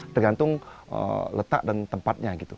tergantung letak dan tempatnya